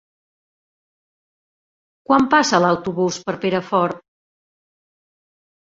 Quan passa l'autobús per Perafort?